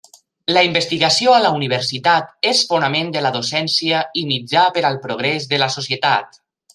La investigació a la Universitat és fonament de la docència i mitjà per al progrés de la societat.